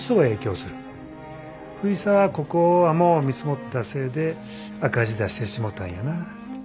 藤沢はここを甘う見積もったせえで赤字出してしもたんやな。